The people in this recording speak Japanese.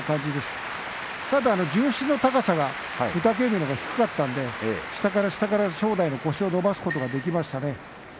ただ重心の高さは御嶽海のほうが低かったので下から下から正代の腰を伸ばすことができましたね。